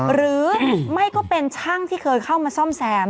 หรือไม่ก็เป็นช่างที่เคยเข้ามาซ่อมแซม